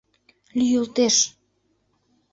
— Лӱйылтеш!